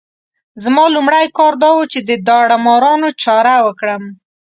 زما لومړی کار دا وو چې د داړه مارانو چاره وکړم.